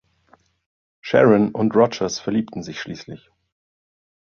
Sharon und Rogers verliebten sich schließlich.